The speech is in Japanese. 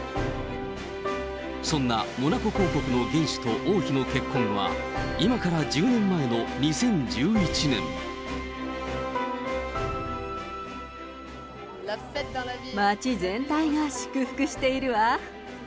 そんなモナコ公国の元首と王妃の結婚は今から１０年前の２０１１町全体が祝福しているわ。